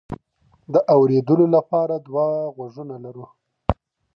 د اوریدلو لپاره دوه غوږونه لرو.